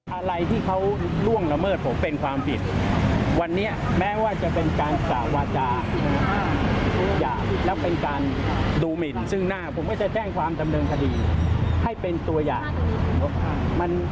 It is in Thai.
อะไรที่เขาล่วงละเมิดผมเป็นความผิดวันนี้แม้ว่าจะเป็นการกล่าวาจาทุกอย่างแล้วเป็นการดูหมินซึ่งหน้าผมก็จะแจ้งความดำเนินคดีให้เป็นตัวอย่าง